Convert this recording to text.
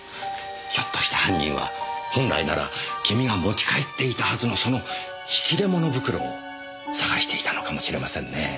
ひょっとして犯人は本来ならキミが持ち帰っていたはずのその引き出物袋を捜していたのかもしれませんね。